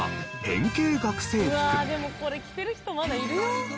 でもこれ着てる人まだいるよ。